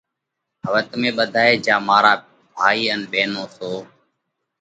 هوَئہ تمي ٻڌائي جيا مارا ڀائِي ان ٻينون سو،